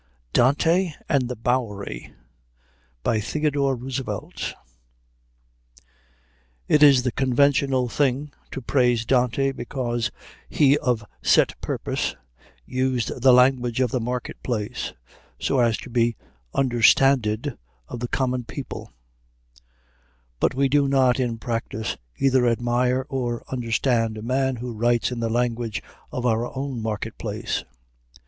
DANTE AND THE BOWERY THEODORE ROOSEVELT It is the conventional thing to praise Dante because he of set purpose "used the language of the market place," so as to be understanded of the common people; but we do not in practice either admire or understand a man who writes in the language of our own market place.